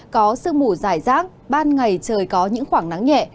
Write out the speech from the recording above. có sức mùi dài rác ban ngày trời có những khoảng nắng nhẹ